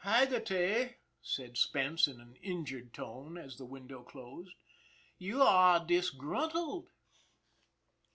" Haggerty," said Spence in an injured tone, as the window closed, " you are disgruntled."